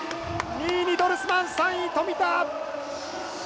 ２位にドルスマン、３位、富田！